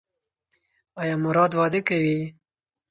ایا مراد واده کوي؟